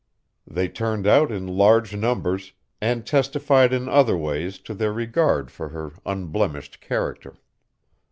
They turned out in large numbers, and testified in other ways to their regard for her unblemished character.